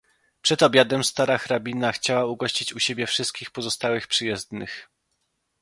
"Przed obiadem stara hrabina chciała ugościć u siebie wszystkich pozostałych przyjezdnych."